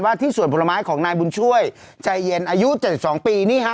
ที่สวนผลไม้ของนายบุญช่วยใจเย็นอายุ๗๒ปีนี่ฮะ